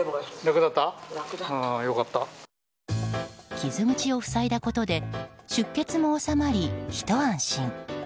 傷口を塞いだことで出血も収まり、ひと安心。